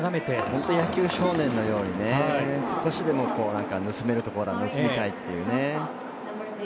本当に野球少年のように盗めるところは盗みたいっていうね。